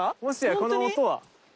もしやこの音は。